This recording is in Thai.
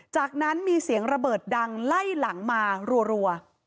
จากนั้นมีเสียงระเบิดดังไล่หลังมารัว